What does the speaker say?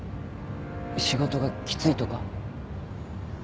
仕事がきついとか？